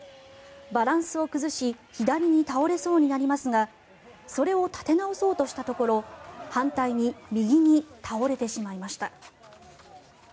バランスを崩し左に倒れそうになりますがそれを立て直そうとしたところ反対に右に倒れてしまいました。